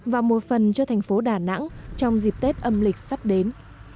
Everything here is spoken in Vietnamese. và một phần cho thành phố đà nẵng trong dịp tết âm lịch sắp đến